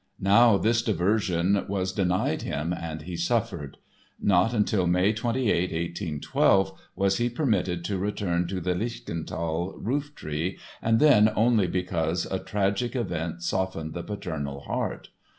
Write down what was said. Now this diversion was denied him and he suffered. Not until May 28, 1812, was he permitted to return to the Lichtental roof tree and then only because a tragic event softened the paternal heart.